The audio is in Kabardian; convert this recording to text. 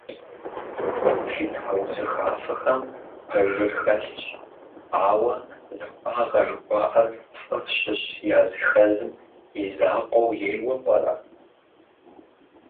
Фи тхьэусыхафэхэм пэжыр хэлъщ, ауэ захуагъэ жыхуаӀэр фэ фщыщ языхэзым и закъуэу ейуэ пӀэрэ?